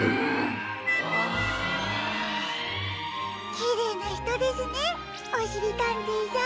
きれいなひとですねおしりたんていさん。